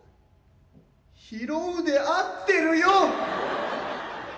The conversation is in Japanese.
拾うで合ってるよ！